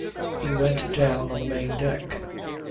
He went down on the main deck.